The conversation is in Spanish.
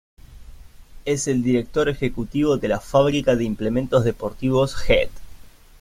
Es el director ejecutivo de la fábrica de implementos deportivos Head.